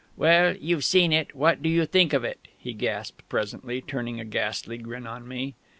"Well you've seen it what do you think of it?" he gasped presently, turning a ghastly grin on me.